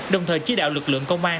đồng thời chỉ đạo lực lượng công an